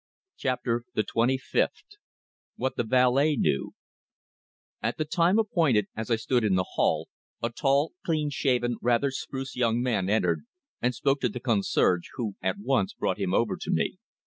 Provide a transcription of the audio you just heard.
CHAPTER THE TWENTY FIFTH WHAT THE VALET KNEW At the time appointed, as I stood in the hall, a tall, clean shaven, rather spruce young man entered and spoke to the concierge, who at once brought him over to me.